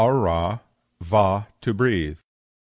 'ra. | Vâ, to breathe.